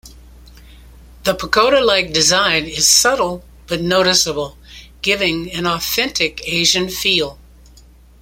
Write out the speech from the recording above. The pagoda-like design is subtle but noticeable, giving an authentic Asian feel.